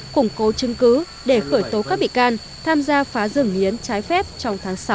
củng cố chứng cứ để khởi tố các bị can tham gia phá rừng nghiến trái phép trong tháng sáu năm hai nghìn một mươi chín